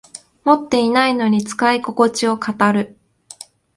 持ってないのに使いここちを語る